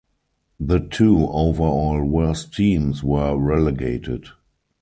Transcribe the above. The two overall worst teams were relegated.